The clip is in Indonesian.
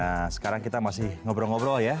nah sekarang kita masih ngobrol ngobrol ya